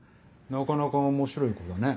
なかなか面白い子だね。